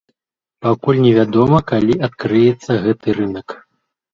Пакуль невядома, калі адкрыецца гэты рынак.